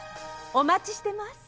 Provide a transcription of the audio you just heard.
お待ちしてます。